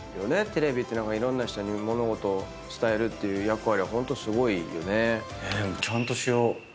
テレビって何かいろんな人に物事を伝えるっていう役割はホントすごいよね。